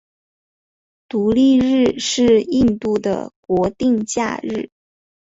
独立日是印度的国定假日。